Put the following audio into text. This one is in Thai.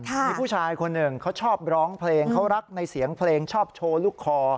มีผู้ชายคนหนึ่งเขาชอบร้องเพลงเขารักในเสียงเพลงชอบโชว์ลูกคอ